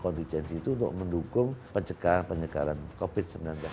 dan anggaran kontingensi itu untuk mendukung pencegahan pencegahan covid sembilan belas